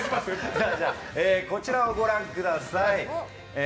こちらをご覧ください。